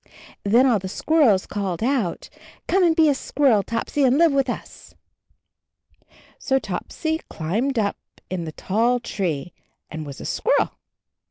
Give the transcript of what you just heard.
Then all the squirrels called out, "Come and be a squirrel, Topsy, and live with usl" So Topsy climbed up in the tall tree and was a squirrel.